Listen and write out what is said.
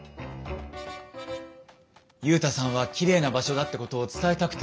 ユウタさんはきれいな場所だってことを伝えたくて撮ったんですよね？